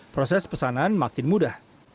proses pesanan makin mudah